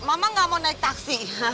mama gak mau naik taksi